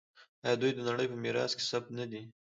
آیا دوی د نړۍ په میراث کې ثبت نه دي؟